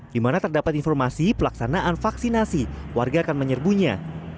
di mana terdapat informasi pelaksanaan vaksinasi warga akan menyerbunya